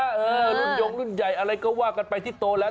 เออรุ่นยงรุ่นใหญ่อะไรก็ว่ากันไปที่โตแล้ว